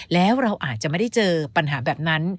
แล้วเราอาจจะไม่ได้เจอปัญหาแบบนั้น